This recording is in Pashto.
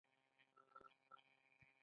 کاناډا د لوبو سامان جوړوي.